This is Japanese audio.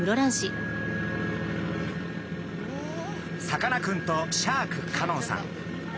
さかなクンとシャーク香音さん。